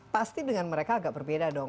pasti dengan mereka agak berbeda dong